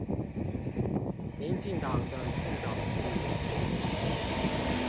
民進黨的自導自演